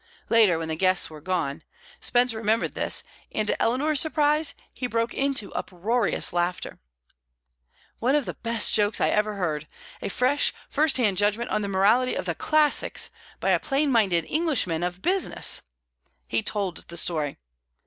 Later, when the guests were gone, Spence remembered this, and, to Eleanor's surprise, he broke into uproarious laughter. "One of the best jokes I ever heard! A fresh, first hand judgment on the morality of the Classics by a plain minded English man of business." He told the story.